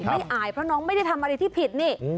อายเพราะน้องไม่ได้ทำอะไรที่ผิดนี่